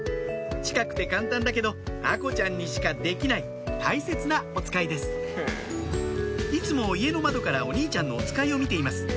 近くて簡単だけど愛心ちゃんにしかできない大切なおつかいですいつも家の窓からお兄ちゃんのおつかいを見ています